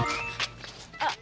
nih lu ngerti gak